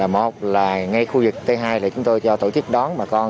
một là ngay khu vực thứ hai là chúng tôi cho tổ chức đón bà con